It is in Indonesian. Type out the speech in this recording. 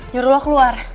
nyuruh lo keluar